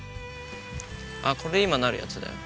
あっこれ今なるやつだよ。